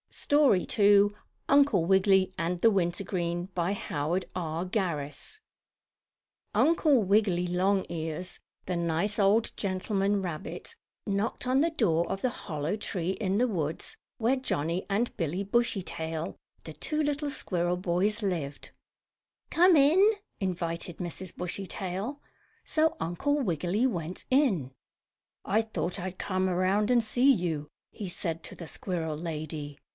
STORY II UNCLE WIGGILY AND THE WINTERGREEN Uncle Wiggily Longears, the nice old gentleman rabbit, knocked on the door of the hollow tree in the woods where Johnnie and Billie Bushytail, the two little squirrel boys, lived. "Come in!" invited Mrs. Bushytail. So Uncle Wiggily went in. "I thought I'd come around and see you," he said to the squirrel lady.